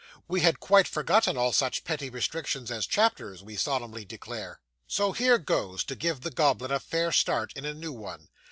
We had quite forgotten all such petty restrictions as chapters, we solemnly declare. So here goes, to give the goblin a fair start in a new one.